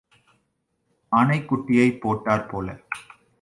ஆனை குட்டி போட்டாற் போல்.